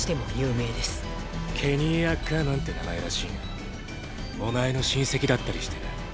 ケニー・「アッカーマン」って名前らしいがお前の親戚だったりしてな。